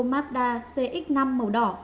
mazda cx năm màu đỏ